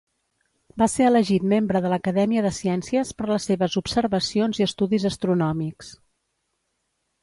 Va ser elegit membre de l'Acadèmia de Ciències per les seves observacions i estudis astronòmics.